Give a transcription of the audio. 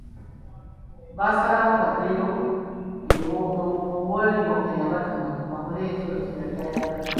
Baasalawo baddeyo ew’oyo eyabatuma bakole ekyo kyeyali ayagala.